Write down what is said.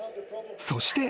そして］